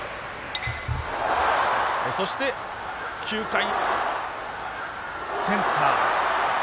そして、９回、センター